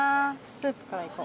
スープからいこう。